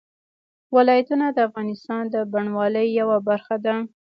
ولایتونه د افغانستان د بڼوالۍ یوه برخه ده.